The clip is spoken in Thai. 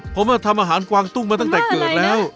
ผมทำอาหารกวางตุ้งมาตั้งแต่เกิดแล้ว